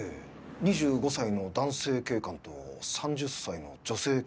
２５歳の男性警官と３０歳の女性警官が。